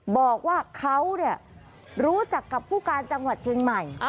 บอกว่าเขารู้จักกับผู้การจังหวัดเชียงใหม่